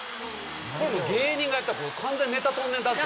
芸人がやったらこれ完全にネタ飛んでるなって。